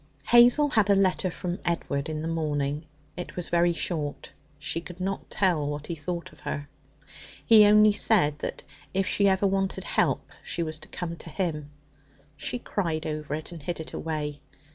Hazel had a letter from Edward in the morning; it was very short. She could not tell what he thought of her. He only said that if she ever wanted help she was to come to him. She cried over it, and hid it away.